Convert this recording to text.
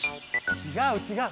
ちがうちがう！